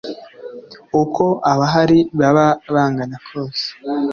uko abahari baba bangana kose